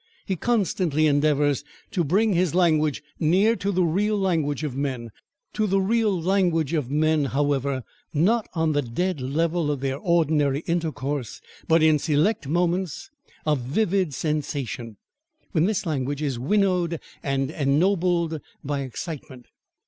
He constantly endeavours to bring his language near to the real language of men: to the real language of men, however, not on the dead level of their ordinary intercourse, but in select moments of vivid sensation, when this language is winnowed and ennobled by excitement.